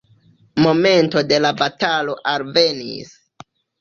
Momento de la batalo alvenis.